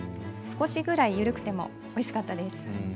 少しくらい緩くてもおいしかったです。